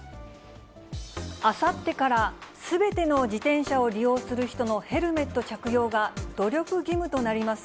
あさってから、すべての自転車を利用する人のヘルメット着用が努力義務となります。